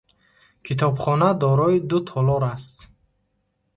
Китобхона дорои ду толор аст.